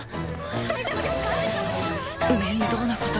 大丈夫ですか？